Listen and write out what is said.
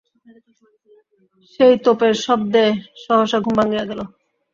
সেই তোপের শব্দে সহসা ঘুম ভাঙিয়া গেল।